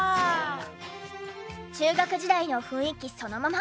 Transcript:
中学時代の雰囲気そのまま。